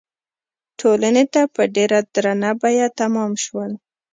ټولنې ته په ډېره درنه بیه تمام شول.